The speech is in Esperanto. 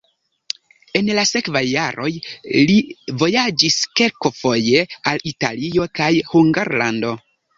En la sekvaj jaroj li vojaĝis kelkfoje al Italio kaj Hungarlando.